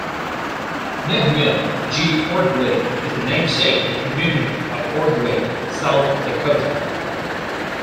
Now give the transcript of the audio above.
Nehemiah G. Ordway is the namesake of the community of Ordway, South Dakota.